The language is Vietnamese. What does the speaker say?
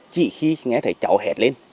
chỉ khi nghe thấy cháu hét lên